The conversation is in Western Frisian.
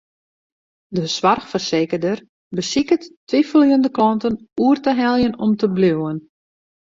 De soarchfersekerder besiket twiveljende klanten oer te heljen om te bliuwen.